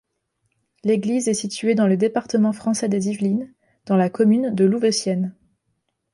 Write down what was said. L'église est située dans le département français des Yvelines, dans la commune de Louveciennes.